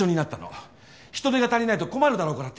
人手が足りないと困るだろうから手伝ってくれるって。